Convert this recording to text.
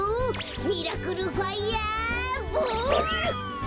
ミラクルファイヤーボール！